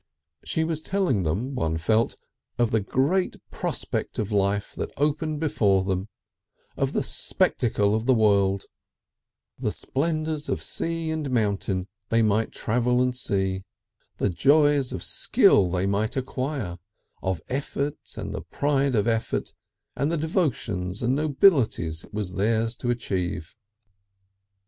She was telling them, one felt, of the great prospect of life that opened before them, of the spectacle of the world, the splendours of sea and mountain they might travel and see, the joys of skill they might acquire, of effort and the pride of effort and the devotions and nobilities it was theirs to achieve.